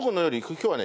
今日はね